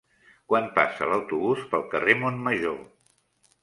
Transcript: Quan passa l'autobús pel carrer Montmajor?